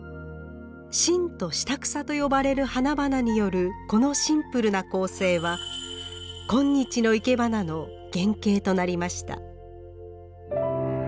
真と下草と呼ばれる花々によるこのシンプルな構成は今日のいけばなの原型となりました。